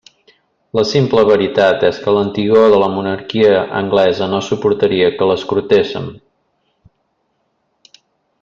La simple veritat és que l'antigor de la monarquia anglesa no suportaria que l'escrutéssem.